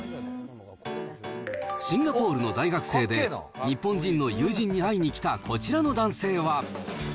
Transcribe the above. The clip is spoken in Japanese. シンガポールの大学生で、日本人の友人に会いに来たこちらの男性は。